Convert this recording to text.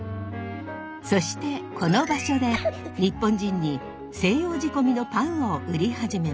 そしてこの場所で日本人に西洋仕込みのパンを売り始めました。